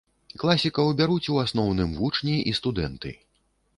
Класікаў бяруць у асноўным вучні і студэнты.